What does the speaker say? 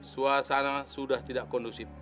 suasana sudah tidak kondusif